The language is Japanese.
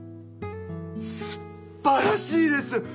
すばらしいです！